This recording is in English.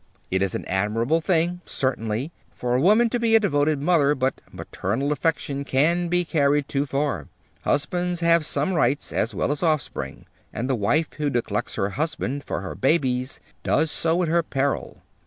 It is an admirable thing, certainly, for a woman to be a devoted mother; but maternal affection can be carried too far. Husbands have some rights as well as offspring; and the wife who neglects her husband for her babies does so at her peril.